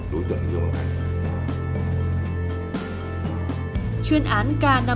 đối tượng dương khánh